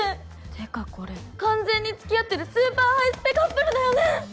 ていうかこれ完全に付き合ってるスーパーハイスペカップルだよね！